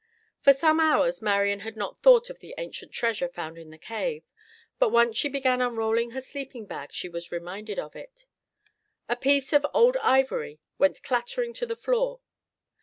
For some hours Marian had not thought of the ancient treasure found in the cave, but once she began unrolling her sleeping bag she was reminded of it. A piece of old ivory went clattering to the floor.